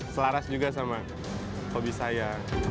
selaras juga sama hobi saya